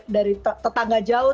dari tetangga jauh